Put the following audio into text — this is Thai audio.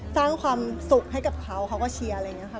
สร้างความสุขให้กับเขาเขาก็เชียร์อะไรอย่างนี้ค่ะ